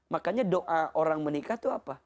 makanya doa orang menikah itu apa